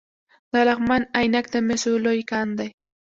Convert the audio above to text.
د لغمان عينک د مسو لوی کان دی